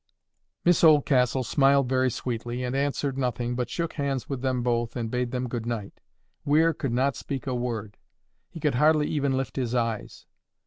Miss Oldcastle smiled very sweetly, and answered nothing, but shook hands with them both, and bade them good night. Weir could not speak a word; he could hardly even lift his eyes.